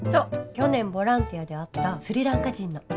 去年ボランティアで会ったスリランカ人の。